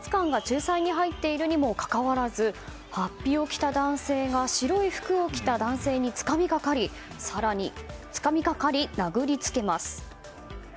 警察官が仲裁に入っているにもかかわらず法被を着た男性が白い服を着た男性につかみかかり殴りつけます。